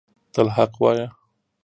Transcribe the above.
تل حق وایه